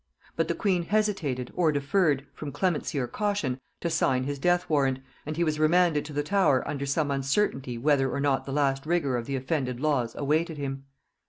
But the queen hesitated or deferred, from clemency or caution, to sign his death warrant, and he was remanded to the Tower under some uncertainty whether or not the last rigor of the offended laws awaited him.